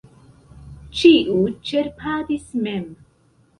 Ĉiu ĉerpadis mem.